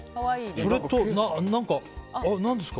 それと、何ですか？